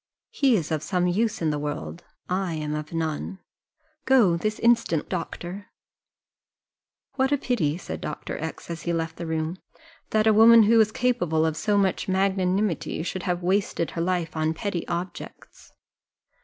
He is of some use in the world I am of none go this instant, doctor." "What a pity," said Dr. X , as he left the room, "that a woman who is capable of so much magnanimity should have wasted her life on petty objects!"